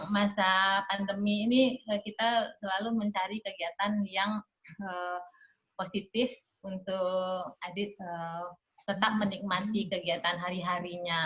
masa pandemi ini kita selalu mencari kegiatan yang positif untuk adit tetap menikmati kegiatan hari harinya